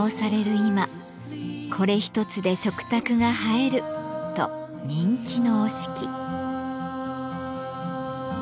今「これ一つで食卓が映える」と人気の折敷。